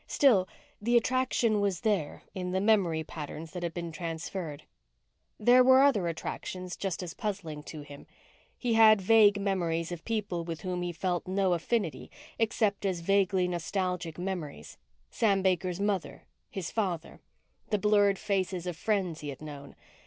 Still, the attraction was there in the memory patterns that had been transferred. There were other attractions just as puzzling to him. He had vague memories of people with whom he felt no affinity except as vaguely nostalgic memories Sam Baker's mother, his father, the blurred faces of friends he had known.